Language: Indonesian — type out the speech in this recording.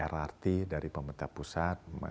rrt dari pemerta pusat